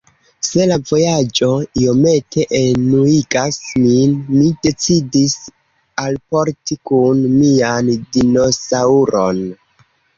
Se la vojaĝo iomete enuigas min, mi decidis alporti kun mian dinosaŭron.